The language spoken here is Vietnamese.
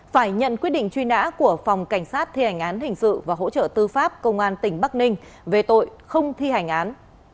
phải nhận quyết định truy nã của phòng cảnh sát thi hành án hình sự và hỗ trợ tư pháp công an tỉnh bắc ninh về tội không thi hành án